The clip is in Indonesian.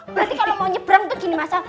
berarti kalau mau nyebrang tuh gini mas al